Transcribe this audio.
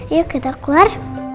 yuk kita keluar